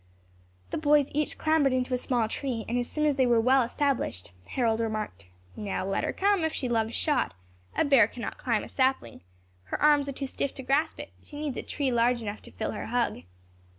The boys each clambered into a small tree, and as soon as they were well established, Harold remarked, "Now let her come, if she loves shot. A bear cannot climb a sapling. Her arms are too stiff to grasp it; she needs a tree large enough to fill her hug."